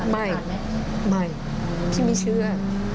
ไม่ไม่ที่มีเชื่อ